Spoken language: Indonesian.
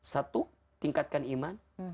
satu tingkatkan iman